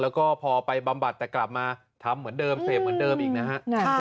แล้วก็พอไปบำบัดแต่กลับมาทำเหมือนเดิมเสพเหมือนเดิมอีกนะฮะ